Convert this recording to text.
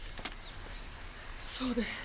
そうです。